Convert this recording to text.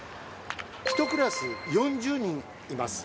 １クラス４０人います。